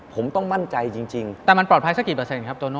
ผมต้องมั่นใจจริงแต่มันปลอดภัยสักกี่เปอร์เซ็นครับโตโน